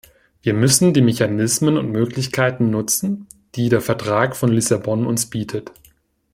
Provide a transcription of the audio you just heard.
Wir müssen die Mechanismen und Möglichkeiten nutzen, die der Vertrag von Lissabon uns bietet.